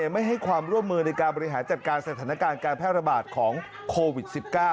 ไม่ให้ความร่วมมือในการบริหารจัดการสถานการณ์การแพร่ระบาดของโควิด๑๙